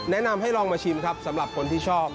แนะนำให้ลองมาชิมครับสำหรับคนที่ชอบ